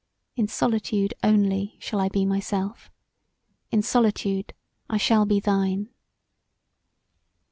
In solitude only shall I be myself; in solitude I shall be thine.